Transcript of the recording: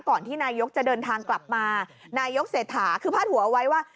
ที่นายกจะเดินทางกลับมานายกเศรษฐาคือพาดหัวเอาไว้ว่า